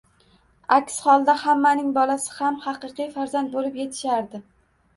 Aks holda, hammaning bolasi ham haqiqiy farzand bo'lib yetishardi.